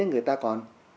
người ta còn